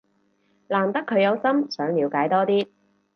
難得佢有心想了解多啲